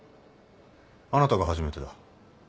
あなたが初めてだ。